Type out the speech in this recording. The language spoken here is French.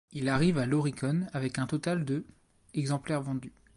Il arrive à l'Oricon avec un total de exemplaires vendus.